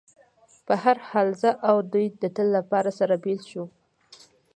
په هر حال، زه او دوی د تل لپاره سره بېل شو.